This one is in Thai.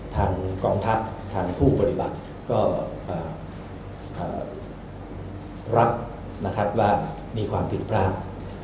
ทางกองทัพทางผู้ปฏิบัติก็รับนะครับว่ามีความผิดพลาด